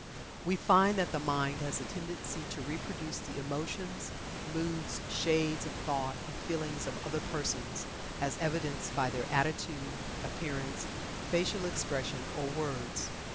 We find that the mind has a tendency to reproduce the emotions, moods, shades of thought, and feelings of other persons, as evidenced by their attitude, appearance, facial expression, or words.